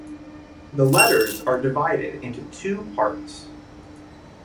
The letters are divided into two parts.